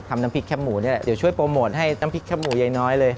น้ำพริกแปบหมูนี่แหละเดี๋ยวช่วยโปรโมทให้น้ำพริกแป๊บหมูยายน้อยเลย